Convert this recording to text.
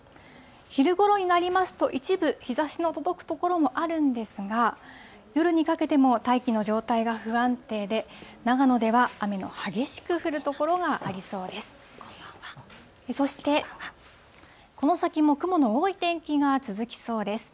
昼ごろになりますと、一部、日ざしの届く所もあるんですが、夜にかけても大気の状態が不安定で、長野では雨の激しく降る所がありそうです。